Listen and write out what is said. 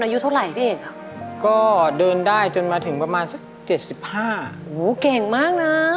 อู้วเก่งมากนะ